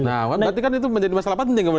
nah berarti kan itu menjadi masalah penting